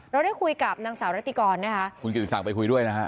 เราได้คุยกับนางสาวรัตติกรคุณกิริสังไปคุยด้วยนะคะ